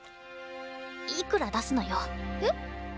いくら出すのよ。え？